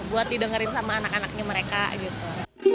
buat didengerin sama anak anaknya mereka gitu